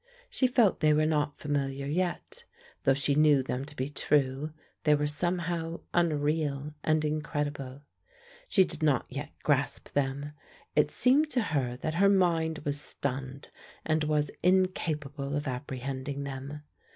She felt they were not familiar yet; though she knew them to be true, they were somehow unreal and incredible. She did not yet grasp them: it seemed to her that her mind was stunned and was incapable of apprehending them.